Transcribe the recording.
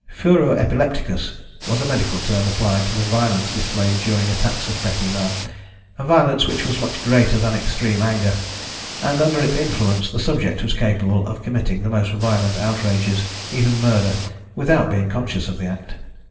Furor epilepticus was a medical term applied to the violence displayed during attacks of petit mal, a violence which was much greater than extreme anger, and under its influence the subject was capable of committing the most violent outrages, even murder, without being conscious of the act.